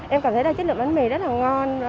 em cảm thấy là chất lượng bánh mì rất là ngon